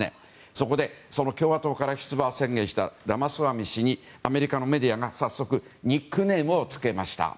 そこで、共和党から出馬宣言したラマスワミ氏にアメリカのメディアが早速ニックネームを付けました。